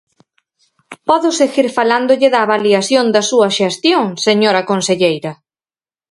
Podo seguir falándolle da avaliación da súa xestión, señora conselleira.